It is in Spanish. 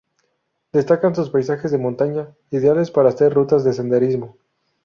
Destacan sus paisajes de montaña, ideales para hacer rutas de senderismo.